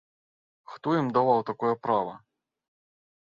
Хто ім даваў такое права?